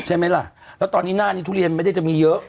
ใช่ไหมล่ะแล้วตอนนี้หน้านี้ทุเรียนไม่ได้จะมีเยอะ